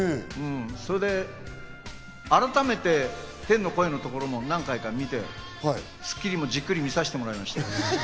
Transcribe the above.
それで改めて天の声のところも何回か見て、『スッキリ』もじっくり見させてもらいました。